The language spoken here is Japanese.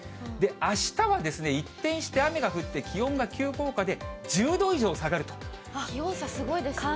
あしたはですね、一転して雨が降って、気温が急降下で１０度以上気温差、すごいですね。